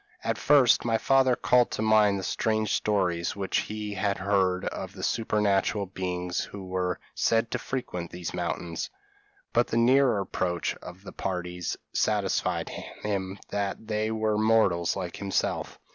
At first, my father called to mind the strange stories which he had heard of the supernatural beings who were said to frequent these mountains; but the nearer approach of the parties satisfied him that they were mortals like himself.